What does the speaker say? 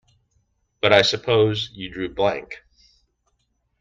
But I suppose you drew blank?